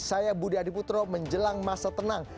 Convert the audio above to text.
saya budi adiputro menjelang masa tenang